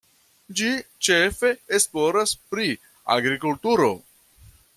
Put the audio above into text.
Ĝi ĉefe esploras pri agrikulturo.